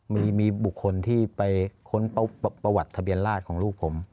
มีบุคคลที่ไปค้นประวัติทะเบียนราชของลูกผม